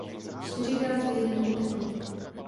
Čtyřikrát z vězení utekl.